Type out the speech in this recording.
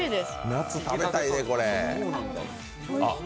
夏、食べたいね、これ。